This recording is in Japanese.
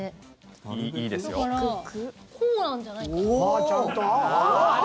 だからこうなんじゃないかな。